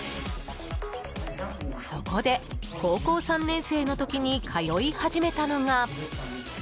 そこで、高校３年生の時に通い始めたのが。